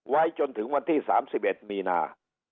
ไว้จนถึงวันที่๓๑มีนา